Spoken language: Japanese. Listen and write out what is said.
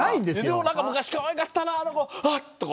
でも、昔かわいかったなあの子うわっとか。